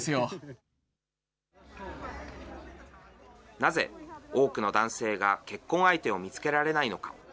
なぜ、多くの男性が結婚相手を見つけられないのか。